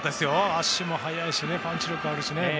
足も速いしパンチ力あるしね。